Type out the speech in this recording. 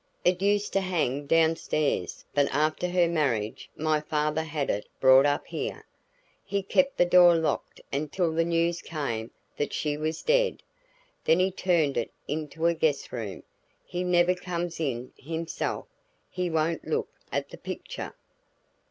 "It used to hang down stairs but after her marriage my father had it brought up here. He kept the door locked until the news came that she was dead, then he turned it into a guest room. He never comes in himself; he won't look at the picture."